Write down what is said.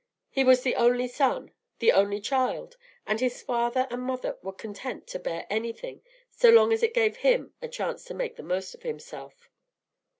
He was the only son, the only child; and his father and mother were content to bear anything so long as it gave him a chance to make the most of himself.